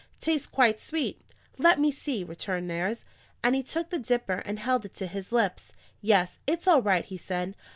"Tastes quite sweet." "Let me see," returned Nares, and he took the dipper and held it to his lips. "Yes, it's all right," he said.